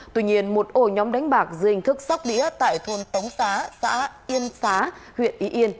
tuy nhiên một ổ nhóm đánh bạc dưới hình thức sóc đĩa tại thôn tống xá xã yên xá huyện y yên